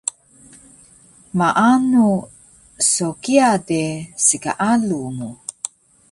Maanu so kiya de, sgaalu mu